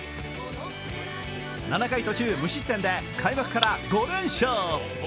７回途中無失点で開幕から５連勝。